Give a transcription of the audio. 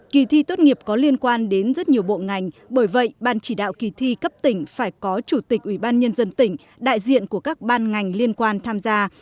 kỳ thi tốt nghiệp có liên quan đến rất nhiều bộ ngành bởi vậy ban chỉ đạo kỳ thi cấp tỉnh phải có chủ tịch ủy ban nhân dân tỉnh đại diện của các ban ngành liên quan tham gia